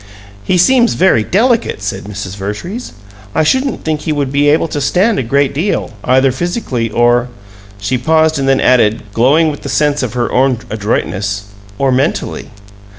"He seems very delicate," said Mrs. Vertrees. "I shouldn't think he would be able to stand a great deal, either physically or " She paused and then added, glowing with the sense of her own adroitness "or mentally."